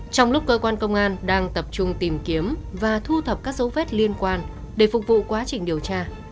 trong lúc cơ quan công an đang tập trung tìm kiếm và thu thập các dấu vết liên quan để phục vụ quá trình điều tra